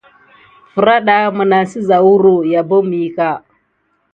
Ferada minane siza huro akana epəŋle kana def taki.